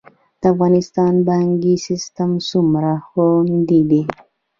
د افغانستان بانکي سیستم څومره خوندي دی؟